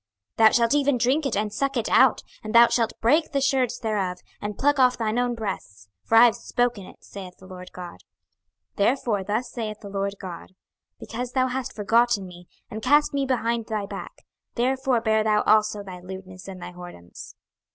26:023:034 Thou shalt even drink it and suck it out, and thou shalt break the sherds thereof, and pluck off thine own breasts: for I have spoken it, saith the Lord GOD. 26:023:035 Therefore thus saith the Lord GOD; Because thou hast forgotten me, and cast me behind thy back, therefore bear thou also thy lewdness and thy whoredoms.